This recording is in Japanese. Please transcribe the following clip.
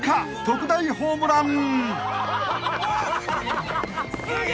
特大ホームラン］